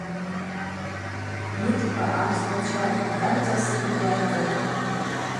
Мидпа апслачва дамцӏасын йгӏайкӏытӏ.